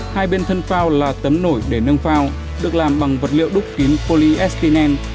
hai bên thân phao là tấm nổi để nâng phao được làm bằng vật liệu đúc kín polyestinen